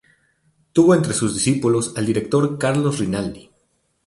Tuvo entre sus discípulos al director Carlos Rinaldi.